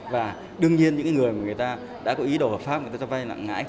và đương nhiên những người mà người ta đã có ý đồ hợp pháp người ta vay nặng lãi